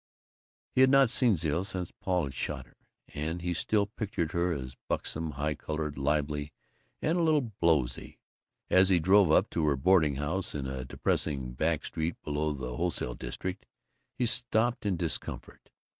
He had not seen Zilla since Paul had shot her, and he still pictured her as buxom, high colored, lively, and a little blowsy. As he drove up to her boarding house, in a depressing back street below the wholesale district, he stopped in discomfort.